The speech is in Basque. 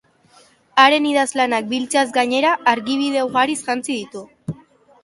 Haren idazlanak biltzeaz gainera, argibide ugariz jantzi ditu.